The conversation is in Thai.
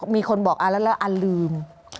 มีคนบอกแล้วเราก็ลืม